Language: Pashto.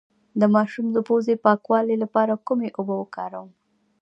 د ماشوم د پوزې د پاکوالي لپاره کومې اوبه وکاروم؟